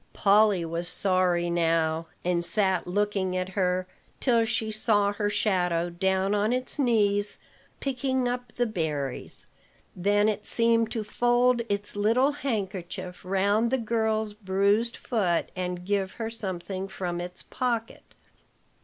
Polly was sorry now, and sat looking at her till she saw her shadow down on its knees, picking up the berries; then it seemed to fold its little handkerchief round the girl's bruised foot, and give her something from its pocket.